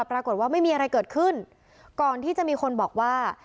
ปรากฏว่าไม่มีอะไรเกิดขึ้นก่อนที่จะมีคนบอกว่า